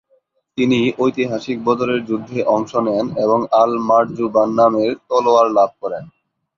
তিনি ঐতিহাসিক বদরের যুদ্ধে অংশ নেন এবং আল-মারজুবান নামের তলোয়ার লাভ করেন।